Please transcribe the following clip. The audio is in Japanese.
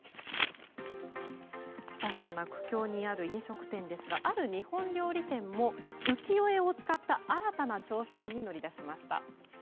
そんな苦境にある飲食店ですが、ある日本料理店も浮世絵を使った新たな挑戦に乗り出しました。